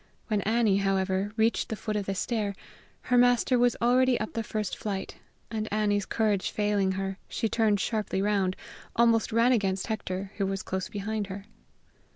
When Annie, however, reached the foot of the stair, her master was already up the first flight, and Annie's courage failing her, she, turning sharply round, almost ran against Hector, who was close behind her.